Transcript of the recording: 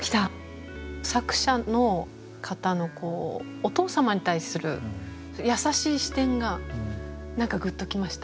作者の方のお父様に対する優しい視点が何かグッときました。